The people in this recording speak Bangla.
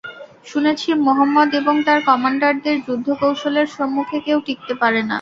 শুনেছি, মুহাম্মাদ এবং তার কমান্ডারদের যুদ্ধ-কৌশলের সম্মুখে কেউ টিকতে পারে না।